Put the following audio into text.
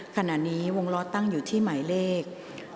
ขณะนี้วงล้อตั้งอยู่ที่หมายเลข